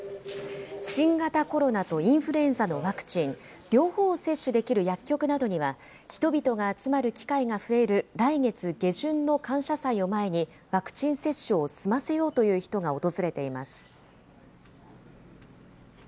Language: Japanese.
新型コロナとインフルエンザのワクチン、両方を接種できる薬局などには、人々が集まる機会が増える来月下旬の感謝祭を前に、ワクチン接種を済ませようという人が訪れています。